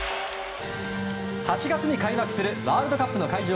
８月に開幕するワールドカップの会場